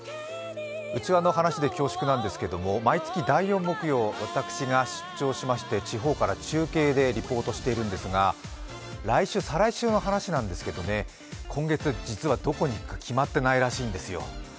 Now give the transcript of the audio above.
うちわの話で恐縮なんですけど、毎週第４木曜、地方から中継でリポートしているんですが再来週の話なんですが今月実はまだどこに行くか決めていないんですよ。